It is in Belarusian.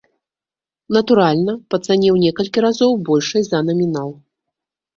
Натуральна, па цане ў некалькі разоў большай за намінал.